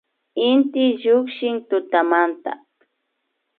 Inti llukshin tutamanta